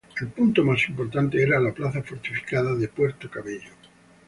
El punto más importante era la plaza fortificada de Puerto Cabello.